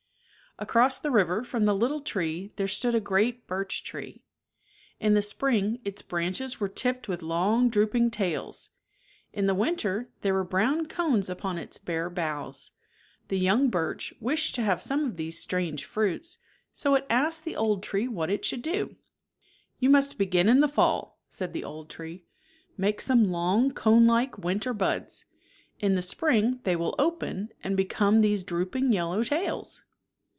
Across the river from the little tree there stood a great birch tree. In the spring its branches were tipped with long drooping tails, in the winter there were brown cones upon its bare boughs. The young birch wished to have some of these «. w,ntkr buds. 50 strange fruits, so it asked the old tree what it should do. " You must be gin in the fall," said the old tree, " make some long conelike winter buds. In the spring they will open and become these drooping yel low tails."